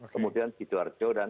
kemudian di jawa jawa dan